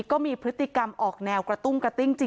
ก็มีพฤติกรรมออกแนวกระตุ้งกระติ้งจริง